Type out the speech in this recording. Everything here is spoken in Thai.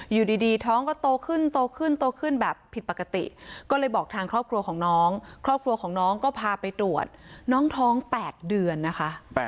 อยู่ดีท้องก็โตขึ้นโตขึ้นโตขึ้นแบบผิดปกติก็เลยบอกทางครอบครัวของน้องครอบครัวของน้องก็พาไปตรวจน้องท้อง๘เดือนนะคะ